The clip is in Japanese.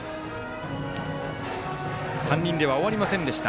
３人では終わりませんでした。